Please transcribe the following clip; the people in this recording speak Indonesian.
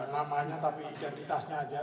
namanya tapi identitasnya aja